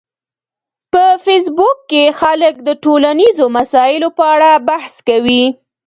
په فېسبوک کې خلک د ټولنیزو مسایلو په اړه بحث کوي